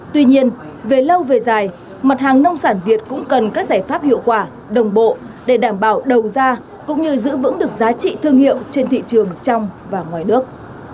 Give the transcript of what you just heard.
tuy nhiên về lâu về dài mặt hàng nông sản việt cũng cần các giải pháp hiệu quả đồng bộ để đảm bảo đầu ra cũng như giữ vững được giá trị thương hiệu trên thị trường trong và ngoài nước